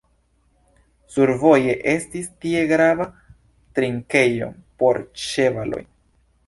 Survoje estis tie grava trinkejo por ĉevaloj.